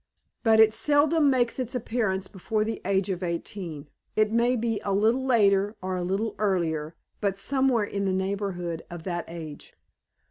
"But it seldom makes its appearance before the age of eighteen it may be a little later or a little earlier, but somewhere in the neighborhood of that age.